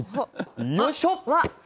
よいしょ。